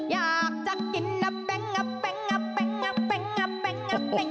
อยากจะกินอาแป้งอาแป้งอาแป้งอาแป้งอาแป้ง